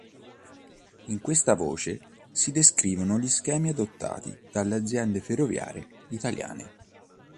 In questa voce si descrivono gli schemi adottati dalle aziende ferroviarie italiane.